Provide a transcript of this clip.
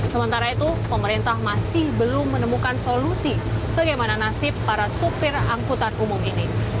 sementara itu pemerintah masih belum menemukan solusi bagaimana nasib para supir angkutan umum ini